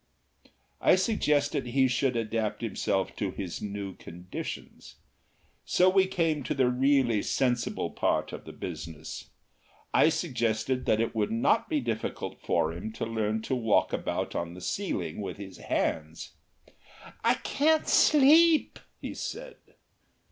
I suggested he should adapt himself to his new conditions. So we came to the really sensible part of the business. I suggested that it would not be difficult for him to learn to walk about on the ceiling with his hands "I can't sleep," he said.